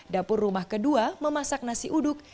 dapur rumah kedua memasak nasi uduk